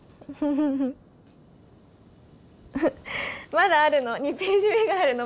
まだあるの２ページ目があるの。